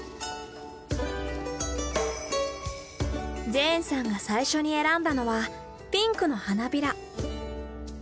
ジェーンさんが最初に選んだのはピンクの花びら。